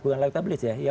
bukan elektabilitas ya